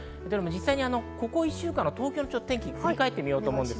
ここ１週間の東京の天気を振り返ってみます。